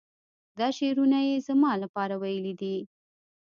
دا شعرونه یې زما لپاره ویلي دي.